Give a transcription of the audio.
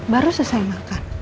baru selesai makan